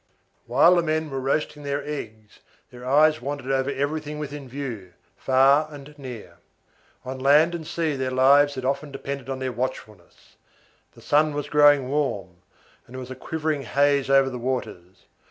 While the men were roasting their eggs, their eyes wandered over everything within view, far and near. On land and sea their lives had often depended on their watchfulness. The sun was growing warm, and there was a quivering haze over the waters.